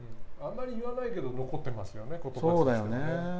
あんまり言わないけど残ってますよね。